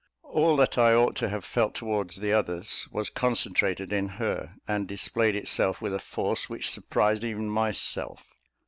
All that I ought to have felt towards the others, was concentrated in her, and displayed itself with a force which surprised even myself.